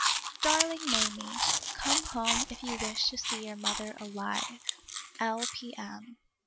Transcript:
" Darling Mamie: — Come home if you wish to see your mother alive. l. p. m."